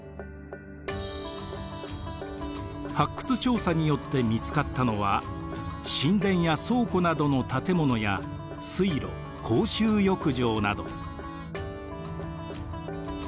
発掘調査によって見つかったのは神殿や倉庫などの建物や水路公衆浴場など。